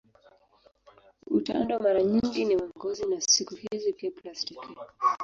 Utando mara nyingi ni wa ngozi na siku hizi pia plastiki.